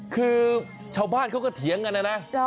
คือชาวบ้านเขาก็เถียงกันนะนะ